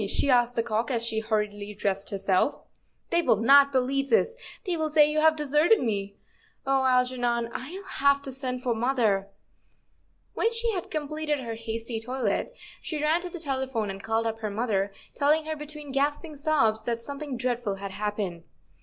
she asked the cock, as she hurriedly dressed herself; " they will not believe this; they will say you have deserted me. Oh, Algernon, I'll have to send for mother." When she had completed her hasty toilet, she ran to the telephone and called up her mother, telling her between gasping sobs that something dreadful had happened.